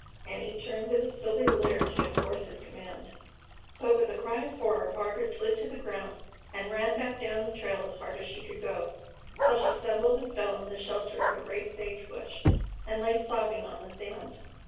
And he turned with a silly leer to enforce his command; but with a cry of horror Margaret slid to the ground and ran back down the trail as hard as she could go, till she stumbled and fell in the shelter of a great sage bush, and lay sobbing on the sand.